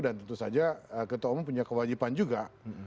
dan tentu saja ketua umum punya kewajiban juga